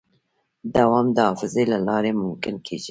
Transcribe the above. دوام د حافظې له لارې ممکن کېږي.